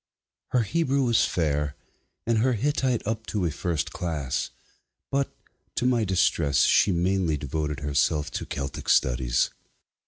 Her Hebrew was fair, and her Hittite up to a first class, but, to my distress, she mainly devoted herself to Celtic studies.